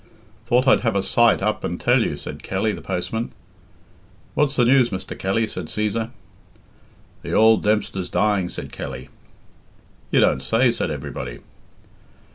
"Thought I'd have a sight up and tell you," said Kelly, the postman. "What's the news, Mr. Kelly?" said Cæsar. "The ould Dempster's dying," said Kelly. "You don't say?" said everybody.